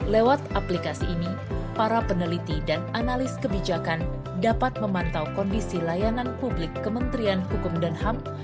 lewat aplikasi ini para peneliti dan analis kebijakan dapat memantau kondisi layanan publik kementerian hukum dan ham